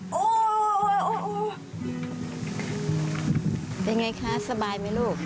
เป็นอย่างไรคะสบายไหมลูก